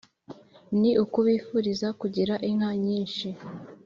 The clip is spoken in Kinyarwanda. ni ukubifuriza kugira inka nyinshi.